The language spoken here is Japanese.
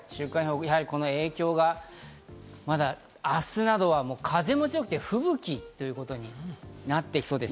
この影響がまだ明日などは風も強くて吹雪になってきそうです。